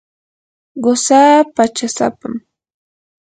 qusaa pachasapam.